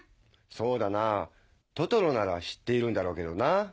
そうだなぁトトロなら知っているんだろうけどな。